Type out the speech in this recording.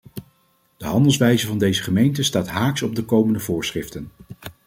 De handelwijze van deze gemeente staat haaks op de komende voorschriften.